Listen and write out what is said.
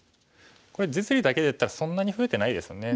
これ実利だけでいったらそんなに増えてないですよね。